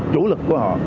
chủ lực của họ